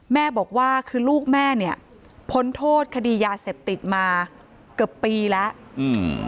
แม่บอกว่าคือลูกแม่เนี่ยพ้นโทษคดียาเสพติดมาเกือบปีแล้วอืม